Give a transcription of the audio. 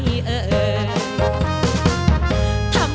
ไม่ใช้